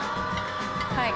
はい。